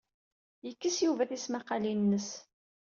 Yekkes Yuba tismaqqalin-nnes.